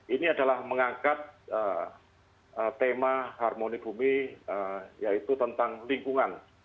ini adalah mengangkat tema harmoni bumi yaitu tentang lingkungan